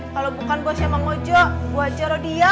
kalau bukan bosnya mang ojo buat jero dia